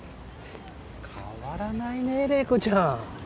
変わらないね麗子ちゃん。